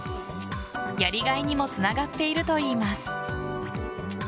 やりがいにもつながっているといいます。